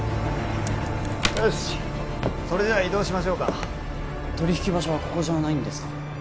よしそれでは移動しましょうか取り引き場所はここじゃないんですか？